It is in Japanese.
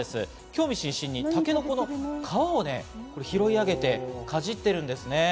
興味津々にタケノコの皮をね、拾い上げて、かじっているんですね。